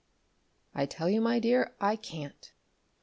_" "I tell you, my dear, I can't!"